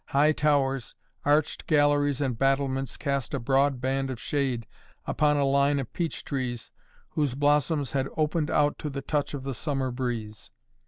High towers, arched galleries and battlements cast a broad band of shade upon a line of peach trees whose blossoms had opened out to the touch of the summer breeze.